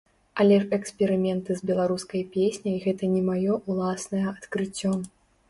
Але ж эксперыменты з беларускай песняй гэта не маё ўласнае адкрыццё.